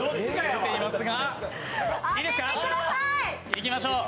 いきましょう。